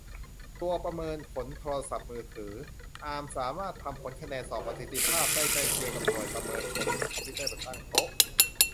ตัวประเมินผลโทรศัพท์มือถือ อาร์ม สามารถทำผลคะแนนสอบประสิทธิ์ภาพ ได้ใกล้เคียงกับ หน่วยประเมินผลของคอมพิวเตอร์แบบตั้งโต๊ะ